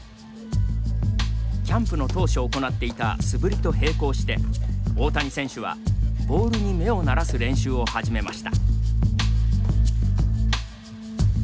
キャンプの当初行っていた素振りと並行して大谷選手はボールに目を慣らす練習を始めました。